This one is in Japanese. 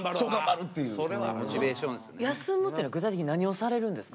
休むっていうのは具体的に何をされるんですか？